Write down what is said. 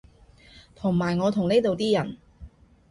同埋我同呢度啲人